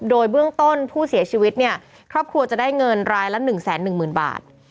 โดยเบื้องต้นผู้เสียชีวิตเนี่ยครอบครัวจะได้เงินรายละ๑๑๐๐๐บาท